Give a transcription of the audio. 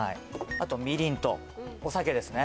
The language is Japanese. あとみりんとお酒ですね